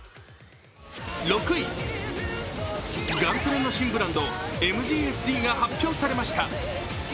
６位、ガンプラの新ブランドＭＧＳＤが発表されました。